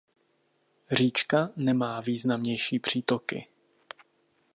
Říčka nemá významnější přítoky.